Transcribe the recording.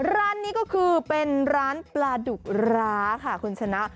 ร้านนี้ก็คือเป็นร้านปลาดุกร้าค่ะคุณชนะ